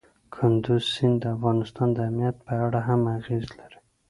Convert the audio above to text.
کندز سیند د افغانستان د امنیت په اړه هم اغېز لري.